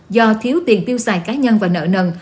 do thiếu tiền tiêu xài cá nhân và nợ nần